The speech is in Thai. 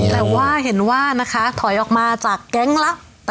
แต่ว่าเห็นว่านะคะถอยออกมาจากแก๊งลับ